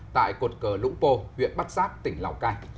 tại cột cờ lũng pô huyện bát sát tỉnh lào cai